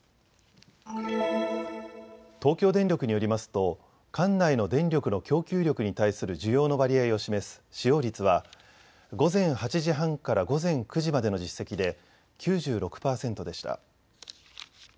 東京電力によりますと管内の電力の供給力に対する需要の割合を示す使用率は午前８時半から午前９時までの実績で９６％でした。